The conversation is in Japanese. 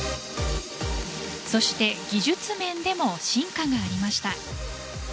そして技術面でも進化がありました。